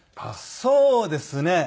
そうですね。